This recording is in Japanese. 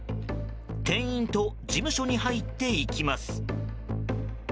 店員と事務所に入っていきます。